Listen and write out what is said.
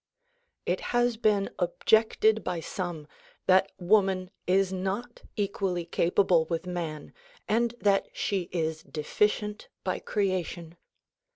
It has been objected by some that woman is not equally capable with man and that she is deficient by creation.